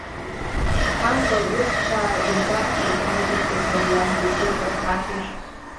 Ампыл лышьҭԥаа иугахтеи, дааигәырӷьеит варламгьы, иҟаз ҳаҳәишь.